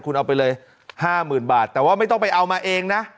คุณเอาไปเลย๕๐๐๐บาทแต่ว่าไม่ต้องไปเอามาเองนะ